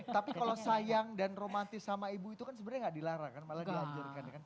tapi kalau sayang dan romantis sama ibu itu kan sebenarnya nggak dilarang kan malah dianjurkan kan